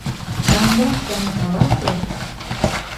Кандаш гана каласе!